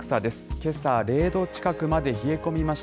けさ０度近くまで冷え込みました。